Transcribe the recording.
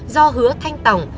do hứa thanh tòng